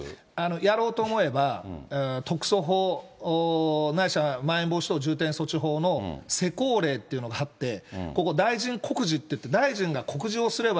やろうと思えば、特措法、ないしはまん延防止等重点措置法の施行令というのがあって、ここ、大臣告示っていって、大臣が告示をすれば、